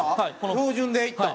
標準でいったん？